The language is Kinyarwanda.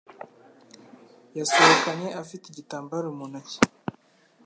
Yasohokanye afite igitambaro mu ntoki.